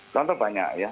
tonton banyak ya